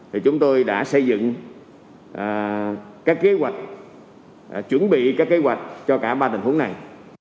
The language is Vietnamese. thì chúng tôi đã xây dựng các kế hoạch chuẩn bị các kế hoạch cho cả ba tình huống này